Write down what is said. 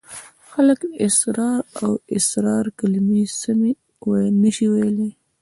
خلک اسرار او اصرار کلمې سمې نشي ویلای.